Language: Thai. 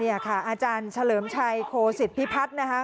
นี่ค่ะอาจารย์เฉลิมชัยโคศิษฐพิพัฒน์นะคะ